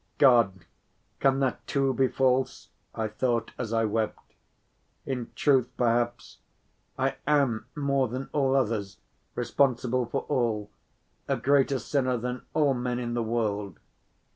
"God, can that too be false?" I thought as I wept. "In truth, perhaps, I am more than all others responsible for all, a greater sinner than all men in the world."